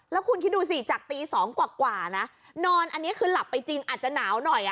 แล้วคุณคิดดูสิจากตี๒กว่านะนอนอันนี้คือหลับไปจริงอาจจะหนาวหน่อย